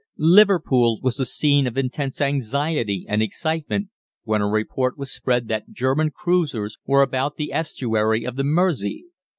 Liverpool was the scene of intense anxiety and excitement, when a report was spread that German cruisers were about the estuary of the Mersey.